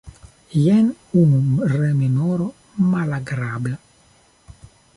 Jen unu rememoro malagrabla.